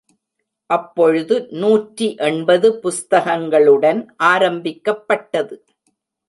அப்பொழுது நூற்றி எண்பது புஸ்தகங்களுடன் ஆரம்பிக்கப்பட்டது.